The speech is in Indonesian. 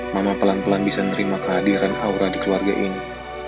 mama pelan pelan bisa menerima kehadiran aura di keluarga ini